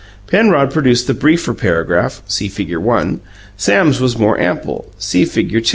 Penrod produced the briefer paragraph. (See Fig. I.) Sam's was more ample. (See Fig.